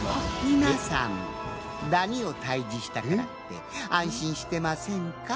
皆さんダニを退治したからって安心してませんか？